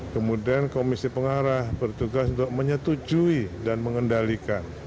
kemudian komisi pengarah bertugas untuk menyetujui dan mengendalikan